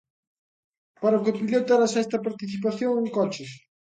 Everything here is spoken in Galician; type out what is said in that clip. Para o copiloto era a sexta participación en coches.